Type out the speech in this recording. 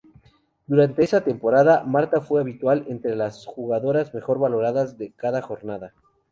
Durante esa temporada, Marta fue habitual entre las jugadoras mejor valoradas de cada jornada.